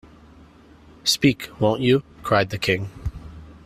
‘Speak, won’t you!’ cried the King.